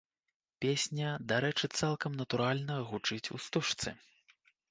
Песня, дарэчы, цалкам натуральна гучыць у стужцы.